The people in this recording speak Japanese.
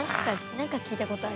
何か聞いたことある。